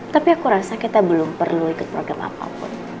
tapi aku rasa kita belum perlu ikut program apapun